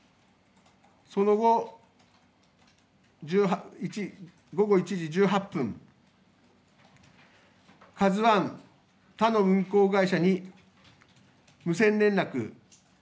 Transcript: その後、午後１時１８分、ＫＡＺＵＩ、他の運行会社に無線連絡。